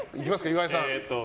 岩井さん。